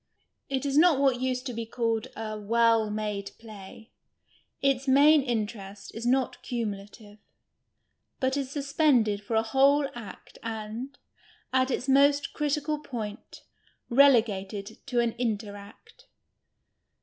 It is not what used to be called a " well made " play. Its main interest is not cumulative, but is suspended for a whole act and, at its most critical |)()int, relegated to an inter act.